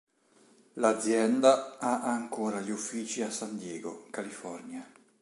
L'azienda ha ancora gli uffici a San Diego, California.